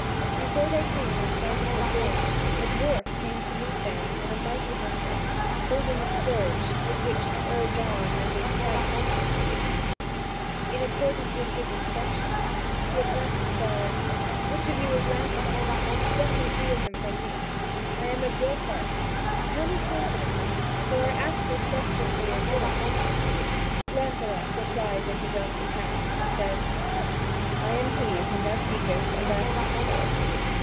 Before they came in sight of the bridge, a dwarf came to meet them on a mighty hunter, holding a scourge with which to urge on and incite his steed. In accordance with his instructions, he at once inquired: "Which of you is Lancelot? Don't conceal him from me; I am of your party; tell me confidently, for I ask the question for your good." Lancelot replies in his own behalf, and says: "I am he whom thou seekest and askest for."